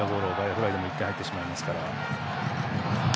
フライでも１点入ってしまいますから。